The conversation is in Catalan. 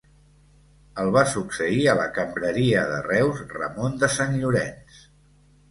El va succeir a la Cambreria de Reus Ramon de Sant Llorenç.